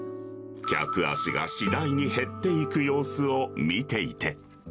客足が次第に減っていく様子を見ていて。